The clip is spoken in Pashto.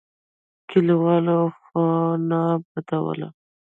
کلیوالو خوا نه بدوله.